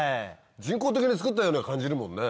人工的に作ったように感じるもんね。